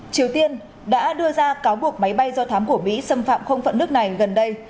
triều tiên đã đưa ra cáo buộc máy bay do thám của mỹ xâm phạm không phận nước này gần đây